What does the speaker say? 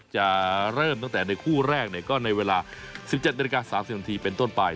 จะเริ่มตั้งแต่ในคู่แรกก็ในเวลา๑๗นาฬิกา๓๐นาทีเป็นต้นไป